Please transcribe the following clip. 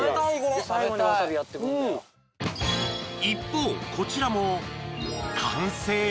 ［一方こちらも完成］